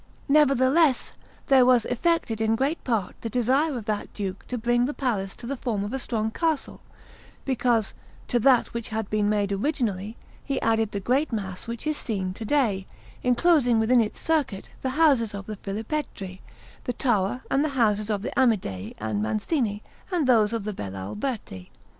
Nevertheless, there was effected in great part the desire of that Duke to bring the palace to the form of a strong castle, because, to that which had been made originally, he added the great mass which is seen to day, enclosing within its circuit the houses of the Filipetri, the tower and the houses of the Amidei and Mancini, and those of the Bellalberti.